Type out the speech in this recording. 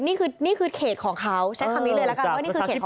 นี่คือเขตของเขาใช้คำนี้เลยแล้วกันว่านี่คือเขตของเขา